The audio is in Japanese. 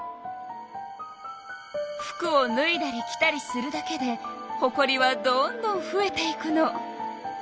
服をぬいだり着たりするだけでほこりはどんどんふえていくの。